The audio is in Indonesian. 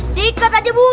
sikat aja bun